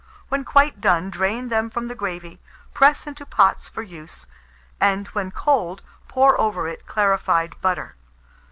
When quite done, drain them from the gravy, press into pots for use, and, when cold, pour over it clarified butter.